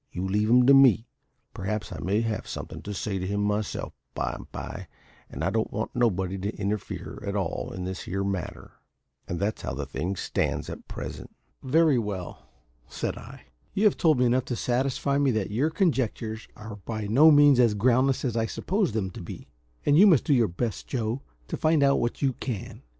You leave him to me; perhaps I may have somethin' to say to him myself by and by, and I don't want nobody to interfere at all in this here matter.' And that's how the thing stands at present." "Very well," said I. "You have told me enough to satisfy me that your conjectures are by no means as groundless as I supposed them to be, and you must do your best, Joe, to find out what you can.